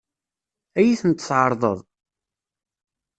Ad iyi-tent-tɛeṛḍeḍ?